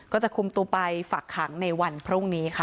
ก็จะคุมตัวไปฝักขังในวันพรุ่งนี้ค่ะ